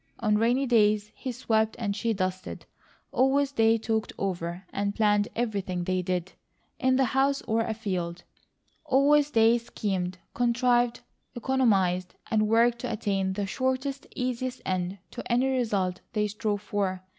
On rainy days he swept and she dusted; always they talked over and planned everything they did, in the house or afield; always they schemed, contrived, economized, and worked to attain the shortest, easiest end to any result they strove for.